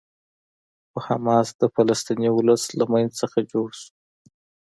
خو حماس د فلسطیني ولس له منځ څخه جوړ شو.